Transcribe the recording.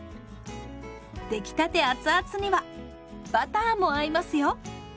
出来たてアツアツにはバターも合いますよ！